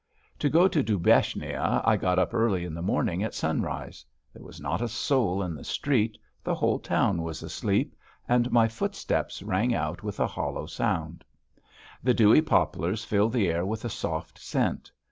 To go to Dubechnia I got up early in the morning at sunrise. There was not a soul in the street, the whole town was asleep, and my footsteps rang out with a hollow sound. The dewy poplars filled the air with a soft scent.